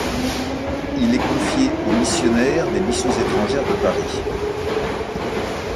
Il est confié aux missionnaires des Missions étrangères de Paris.